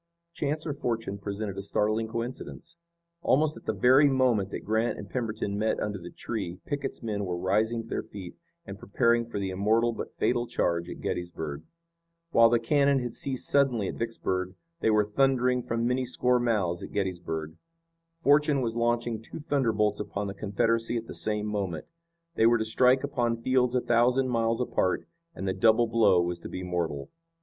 Chance or fortune presented a startling coincidence. Almost at the very moment that Grant and Pemberton met under the tree Pickett's men were rising to their feet and preparing for the immortal but fatal charge at Gettysburg. While the cannon had ceased suddenly at Vicksburg they were thundering from many score mouths at Gettysburg. Fortune was launching two thunderbolts upon the Confederacy at the same moment. They were to strike upon fields a thousand miles apart, and the double blow was to be mortal.